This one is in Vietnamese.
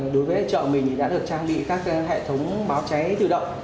đối với chợ mình đã được trang bị các hệ thống báo cháy tự động